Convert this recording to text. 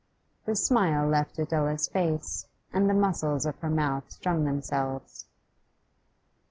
The smile left Adela's face, and the muscles of her mouth strung themselves.